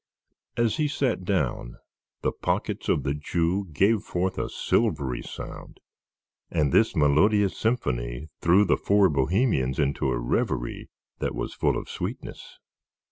As he sat down the pockets of the Jew gave forth a silvery sound, and this melodious symphony threw the four bohemians into a reverie that was full of sweetness.